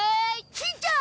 しんちゃん